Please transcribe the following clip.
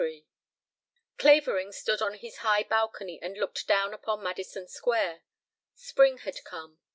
XLIII Clavering stood on his high balcony and looked down upon Madison Square. Spring had come.